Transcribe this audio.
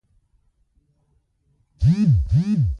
د کندهار انار په نړۍ کې نوم لري.